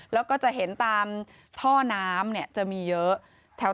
แล้วก็จะเห็นตามท่อน้ำจะมีเยอะแถว